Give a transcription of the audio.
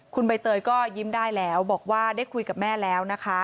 คุณใบเตยก็ยิ้มได้แล้วบอกว่าได้คุยกับแม่แล้วนะคะ